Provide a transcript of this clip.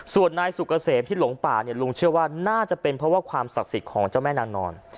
ส่วนนายสุกเกษมที่หลงป่าเนี่ยลุงเชื่อว่าน่าจะเป็นเพราะว่าความศักดิ์สิทธิ์ของเจ้าแม่นางนอน